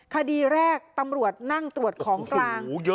คดีแรกตำรวจนั่งตรวจของกลาง